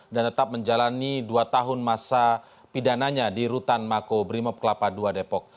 dan tetap menjalani dua tahun masa pidananya di rutan mako brimob kelapa dua depok